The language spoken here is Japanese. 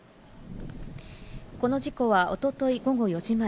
この事故は一昨日午後４時前。